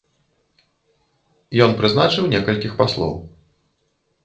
Ён прызначыў некалькіх паслоў.